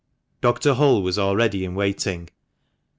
Dr. Hull was already in waiting.